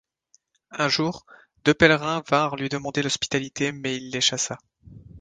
Un jour, deux pèlerins vinrent lui demander l’hospitalité mais il les chassa.